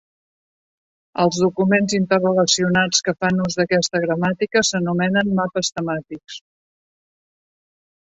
Els documents interrelacionats que fan ús d'aquesta gramàtica s'anomenen mapes temàtics.